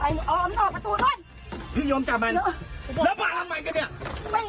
มึงมึงมึงมึงมึงมึงมึงมึงมึง